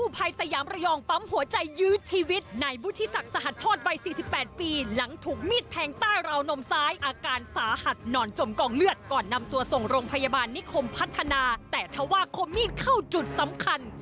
ปีหลังถูกมีดแทงต้าราวนมซ้ายอาการสาหัสนอนจมกองเลือดก่อนนำตัวส่งโรงพยาบาลนิคมพัฒนาแต่เทาะว่าคมมีดเข้าจุดสำคัญ